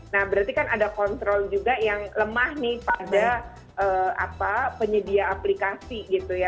nah berarti kan ada kontrol juga yang lemah nih pada penyedia aplikasi gitu ya